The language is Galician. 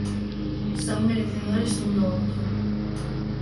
Son merecedores un do outro.